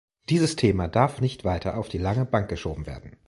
Dieses Thema darf nicht weiter auf die lange Bank geschoben werden.